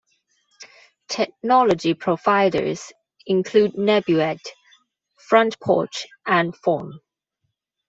Technology providers include NebuAd, Front Porch, and Phorm.